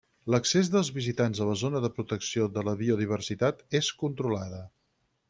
L'accés dels visitants a la zona de protecció de la biodiversitat és controlada.